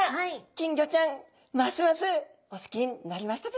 金魚ちゃんますますお好きになりましたでしょうか？